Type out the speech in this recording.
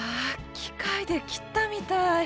機械で切ったみたい！